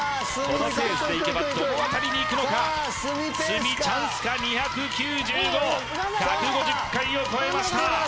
このペースでいけばどの辺りにいくのか鷲見チャンスか２９５１５０回を超えました